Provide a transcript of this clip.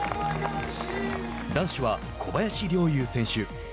男子は小林陵侑選手。